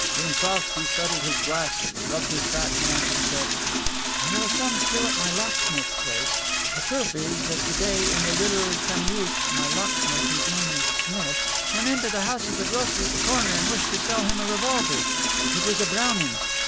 Gounsovski settled his glasses, rubbed his fat hands and said: "There are some still at my locksmith's place. The proof is that to day in the little Kaniouche my locksmith, whose name is Smith, went into the house of the grocer at the corner and wished to sell him a revolver. It was a Browning.